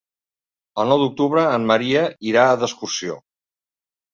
El nou d'octubre en Maria irà d'excursió.